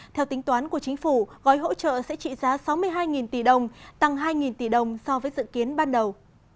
theo tính toán của chính phủ gói hỗ trợ sẽ trị giá sáu mươi hai tỷ đồng tăng hai tỷ đồng so với dự kiến ban đầu